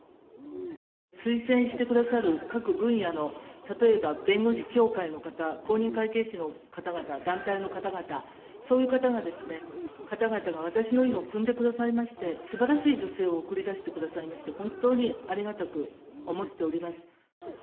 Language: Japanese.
推薦してくださる各分野の例えば弁護士協会の方公認会計士の団体の方々、そういう方が私の意をくんでくださいまして素晴らしい女性を送り出してくださいまして本当にありがたく思っております。